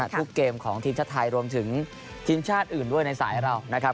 เกมของทีมชาติไทยรวมถึงทีมชาติอื่นด้วยในสายเรานะครับ